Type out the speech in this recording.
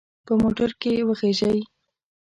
په موټر کې وخیژئ.